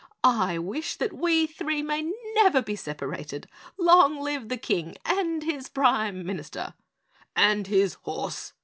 "I wish that we three may never be separated! Long live the KING AND HIS PRIME MINISTER!" "And his horse!"